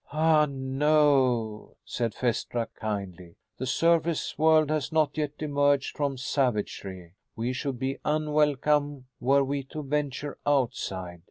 "Ah, no," said Phaestra kindly, "the surface world has not yet emerged from savagery. We should be unwelcome were we to venture outside.